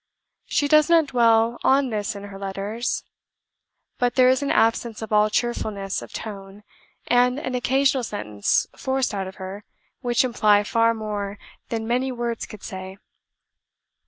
She does not dwell on this in her letters; but there is an absence of all cheerfulness of tone, and an occasional sentence forced out of her, which imply far more than many words could say.